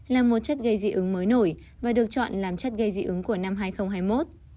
là một chất gây dị ứng mới nổi và được chọn làm chất gây dị ứng của năm hai nghìn hai mươi một